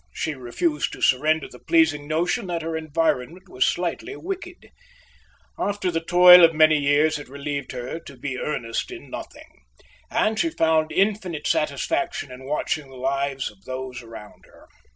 She refused to surrender the pleasing notion that her environment was slightly wicked. After the toil of many years it relieved her to be earnest in nothing; and she found infinite satisfaction in watching the lives of those around her.